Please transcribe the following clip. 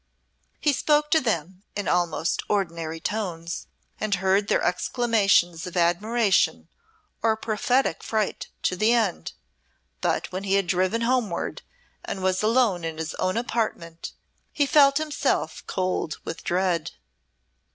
He spoke to them in almost ordinary tones, and heard their exclamations of admiration or prophetic fright to the end, but when he had driven homeward and was alone in his own apartment he felt himself cold with dread.